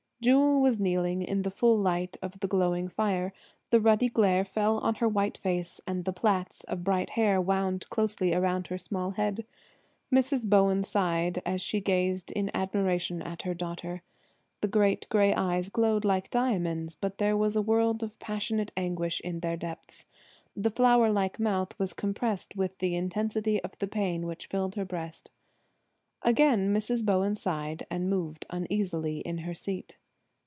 Jewel was kneeling in the full light of the glowing fire, the ruddy glare fell on her white face, and the plaits of bright hair wound closely around her small head. Mrs. Bowen sighed as she gazed in admiration at her daughter. The great gray eyes glowed like diamonds, but there was a world of passionate anguish in their depths. The flower like mouth was compressed with the intensity of the pain which filled her breast. Again Mrs. Bowen sighed and moved uneasily in her seat.